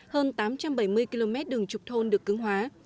hơn tám trăm bảy mươi km đường trục thôn được cứng hóa